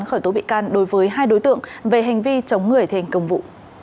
khởi tố bị can đối với hai đối tượng về hành vi chống người thi hành công vụ